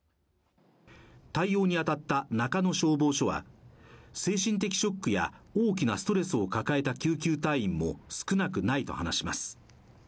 対応に当たった中野消防署は精神的ショックや大きなストレスを抱えた救急隊員も少なくないと話します。